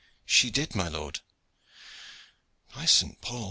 "She did, my lord." "By Saint Paul!